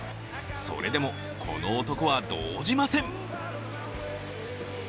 それでも、この男は動じません。